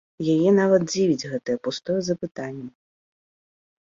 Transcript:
Яе нават дзівіць гэтае пустое запытанне!